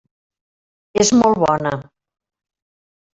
És molt bona.